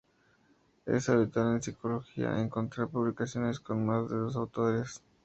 Es habitual en psicología encontrar publicaciones con más de dos autores.